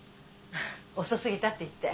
「遅すぎた」って言って。